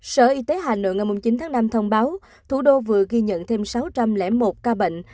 sở y tế hà nội ngày chín tháng năm thông báo thủ đô vừa ghi nhận thêm sáu trăm linh một ca bệnh